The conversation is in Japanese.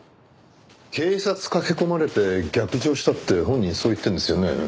警察駆け込まれて逆上したって本人そう言ってるんですよね。